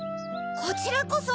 こちらこそ！